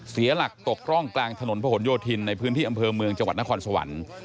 เสียหลักตกร่องกลางถนนพระหลโยธินในพื้นที่อำเภอเมืองจังหวัดนครสวรรค์